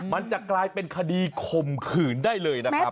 มันจะกลายเป็นคดีข่มขืนได้เลยนะครับ